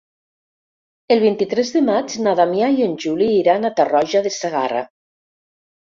El vint-i-tres de maig na Damià i en Juli iran a Tarroja de Segarra.